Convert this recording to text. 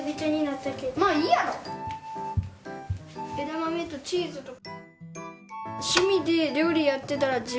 枝豆とチーズと。